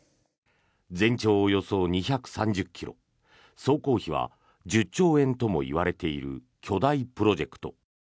全長およそ２３０ｋｍ総工費は１０兆円ともいわれている巨大プロジェクト。